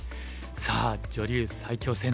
さあ女流最強戦